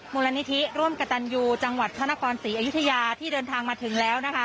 มูลนิธิร่วมกระตันยูจังหวัดพระนครศรีอยุธยาที่เดินทางมาถึงแล้วนะคะ